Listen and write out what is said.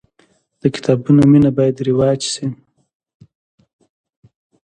د کتابونو مینه باید رواج سي.